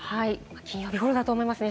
金曜日頃だと思いますね。